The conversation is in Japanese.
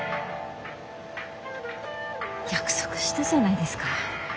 約束したじゃないですか。